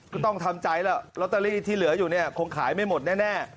ก็ต้องทำใจแล้วลอตเตอรี่ที่เหลืออยู่เนี่ยคงขายไม่หมดแน่